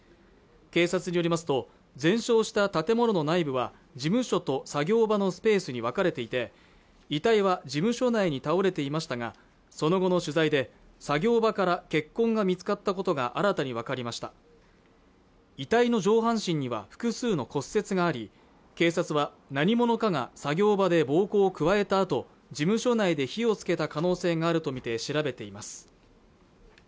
警察によりますと全焼した建物の内部は事務所と作業場のスペースに分かれていて遺体は事務所内に倒れていましたがその後の取材で作業場から血痕が見つかったことが新たに分かりました遺体の上半身には複数の骨折があり警察は何者かが作業場で暴行を加えたあと事務所内で火をつけた可能性があるとみて調べています